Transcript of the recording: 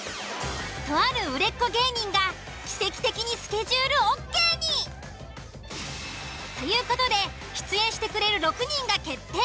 とある売れっ子芸人が奇跡的にスケジュールＯＫに！という事で出演してくれる６人が決定。